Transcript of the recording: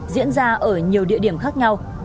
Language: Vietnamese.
diễn ra ở nhiều địa điểm khác nhau